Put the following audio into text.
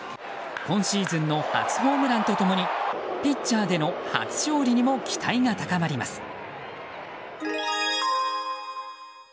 今シーズンの初ホームランと共にピッチャーでの初勝利にも期待が高まります。